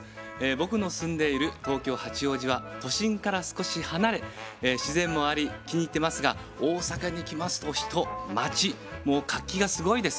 僕の住んでいる東京・八王子は都心から少し離れ自然もあり気に入ってますが大阪に来ますと人街もう活気がすごいです。